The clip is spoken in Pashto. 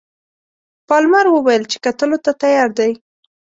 پالمر وویل چې کتلو ته تیار دی.